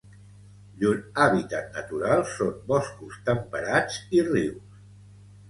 Llur hàbitat natural són boscos temperats i rius.